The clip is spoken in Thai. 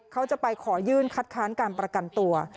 เขาจะไปขอยื่นคัดค้านการประกันตัว